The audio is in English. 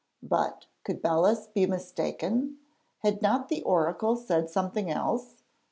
But, could Belus be mistaken? Had not the oracle said something else?